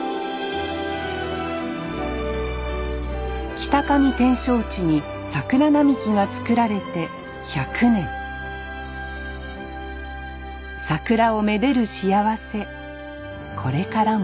北上展勝地に桜並木が作られて１００年桜を愛でる幸せこれからも